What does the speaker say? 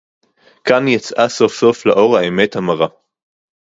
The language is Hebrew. כאן יצאה סוף-סוף לאור האמת המרה